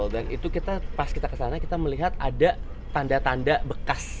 dan itu pas kita kesana kita melihat ada tanda tanda bekas